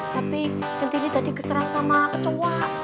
tapi centini tadi keserang sama kecoa